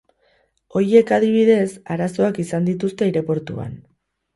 Horiek, adibidez, arazoak izan dituzte aireportuan.